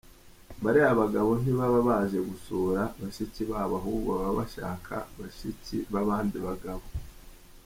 Bariya bagabo ntibaba baje gusura bashiki babo ahubwo baba bashaka bashiki b’abandi bagabo.